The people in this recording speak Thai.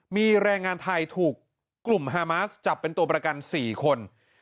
มีแรงงานไทยถูกกลุ่มฮามาสจับเป็นตัวประกัน๔คน